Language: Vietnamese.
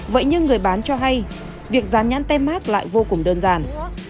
vậy nhưng người bán cho hay việc dán nhãn tem mát lại vô cùng đơn giản